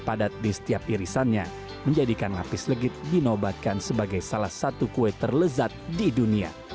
padat di setiap irisannya menjadikan lapis legit dinobatkan sebagai salah satu kue terlezat di dunia